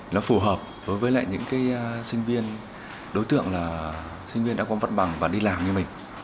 nó phù hợp với lại những cái sinh viên đối tượng là sinh viên đã có vận bằng và đi làm như mình